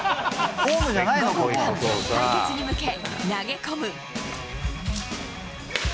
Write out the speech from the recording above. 対決に向け投げ込む。